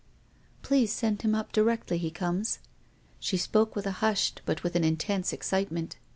" Please send him up directly he comes." She spoke with a hushed, but with an intense, excitement.